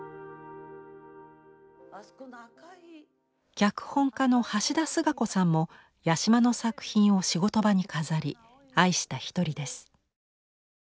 脚本家の橋田壽賀子さんも八島の作品を仕事場に飾り愛した一人です。